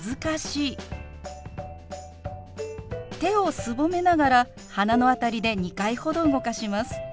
手をすぼめながら鼻の辺りで２回ほど動かします。